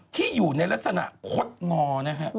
ที่อยู่ในลักษณะคดงอนะฮะ